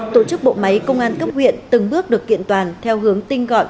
tổ chức bộ máy công an cấp huyện từng bước được kiện toàn theo hướng tinh gọn